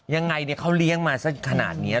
ยังไงเนี่ยเขาเลี้ยงมาซะขนาดนี้